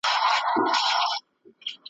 دوی ګومان کوي پر ټول جهان تیاره ده `